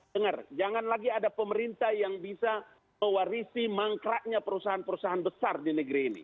dengar jangan lagi ada pemerintah yang bisa mewarisi mangkraknya perusahaan perusahaan besar di negeri ini